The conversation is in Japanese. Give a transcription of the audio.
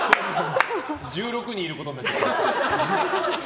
１６人いることになっちゃう。